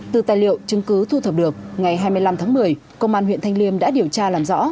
từ tài liệu chứng cứ thu thập được ngày hai mươi năm tháng một mươi công an huyện thanh liêm đã điều tra làm rõ